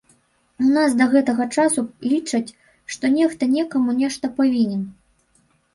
У нас да гэтага часу лічаць, што нехта некаму нешта павінен.